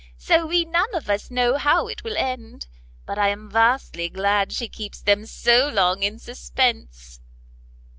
So we none of us know how it will end; but I am vastly glad she keeps them so long in suspence."